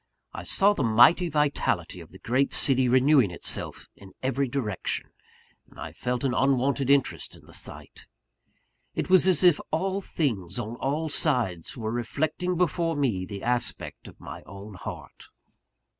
I saw the mighty vitality of the great city renewing itself in every direction; and I felt an unwonted interest in the sight. It was as if all things, on all sides, were reflecting before me the aspect of my own heart.